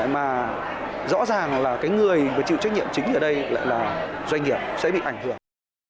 mà rõ ràng là người chịu trách nhiệm chính ở đây là doanh nghiệp sẽ bị ảnh hưởng